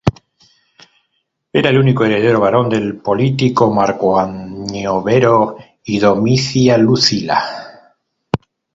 Era el único heredero varón del político Marco Annio Vero y Domicia Lucila.